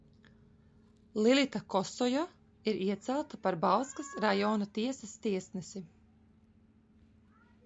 Lilita Kosoja ir iecelta par Bauskas rajona tiesas tiesnesi.